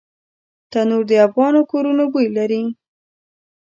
تنور د افغانو کورونو بوی لري